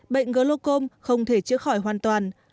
bệnh glocom không thể chữa khỏi hoàn toàn